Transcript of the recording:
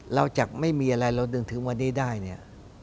เราจะไม่มีอะไรเราดึงถึงวันนี้ได้เนี่ย